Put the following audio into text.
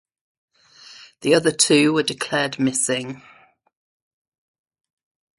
The other two were declared missing.